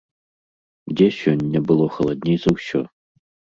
Дзе сёння было халадней за ўсё?